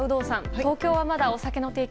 東京はまだお酒の提供